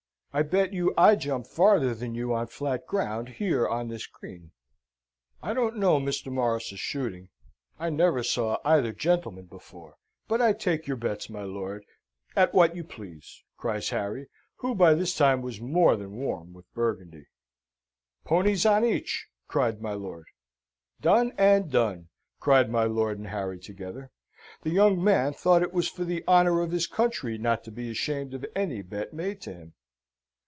I bet you I jump farther than you on flat ground, here on this green." "I don't know Mr. Morris's shooting I never saw either gentleman before but I take your bets, my lord, at what you please," cries Harry, who by this time was more than warm with Burgundy. "Ponies on each!" cried my lord. "Done and done!" cried my lord and Harry together. The young man thought it was for the honour of his country not to be ashamed of any bet made to him.